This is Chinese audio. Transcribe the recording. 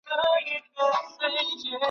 此一诏书是时任参议的橘广相所拟。